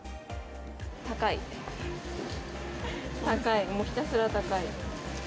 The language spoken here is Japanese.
高い、高い、もうひたすら高い。